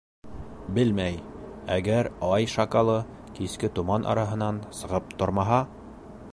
— Белмәй, әгәр ай шакалы киске томан араһынан сығып тормаһа.